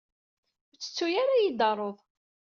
Ur tettuy ara ad yi-d-taruḍ.